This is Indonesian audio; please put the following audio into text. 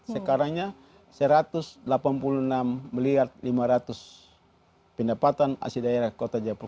sekarangnya satu ratus delapan puluh enam lima ratus pendapatan asli daerah kota jayapura